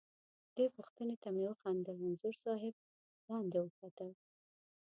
دې پوښتنې ته مې وخندل، انځور صاحب لاندې وکتل.